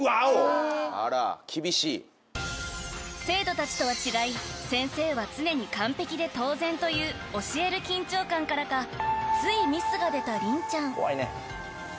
［生徒たちとは違い先生は常に完璧で当然という教える緊張感からかついミスが出た凛ちゃん］